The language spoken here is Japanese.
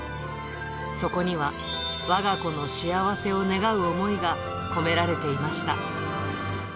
そこには、わが子の幸せを願う思いが込められていました。